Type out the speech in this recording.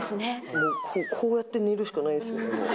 もう、こうやって寝るしかないんです、もう。